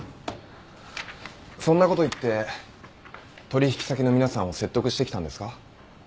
そんなこと言って取引先の皆さんを説得してきたんですか？